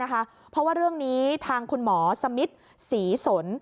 เพราะว่าเรื่องนี้ทางคุณหมอสมิทศรีสน